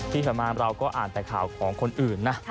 ที่ผ่านมาเราก็อ่านแต่ข่าวของคนอื่นนะ